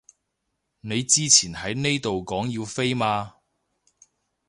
你之前喺呢度講要飛嘛